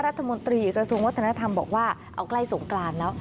รัฐมนตรีกระทรวงวัฒนธรรมบอกว่าเอาใกล้สงกรานแล้ว